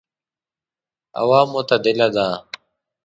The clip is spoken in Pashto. هوا معتدله وه.